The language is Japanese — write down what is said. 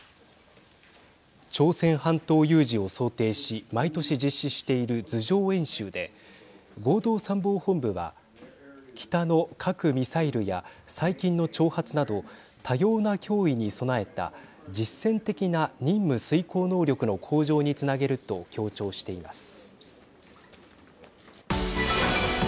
朝鮮半島有事を想定し毎年実施している図上演習で、合同参謀本部は北の核・ミサイルや最近の挑発など多様な脅威に備えた実戦的な任務遂行能力の向上につなげると強調しています。